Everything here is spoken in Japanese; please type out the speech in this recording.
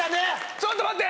ちょっと待って。